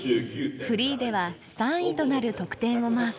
フリーでは３位となる得点をマーク。